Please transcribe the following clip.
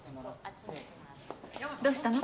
どうしたの？